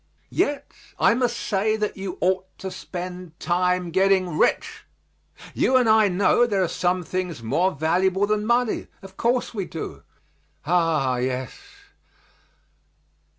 Yet I must say that you ought to spend time getting rich. You and I know there are some things more valuable than money; of course, we do. Ah, yes!